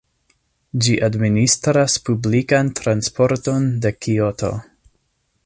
Ĝi administras publikan transporton de Kioto.